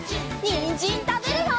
にんじんたべるよ！